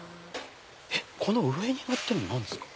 この上にのってるの何ですか？